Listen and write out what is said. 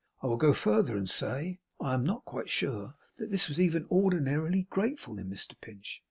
I will go further and say, I am not quite sure that this was even ordinarily grateful in Mr Pinch.